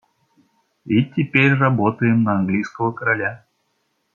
И теперь работаем на английского короля.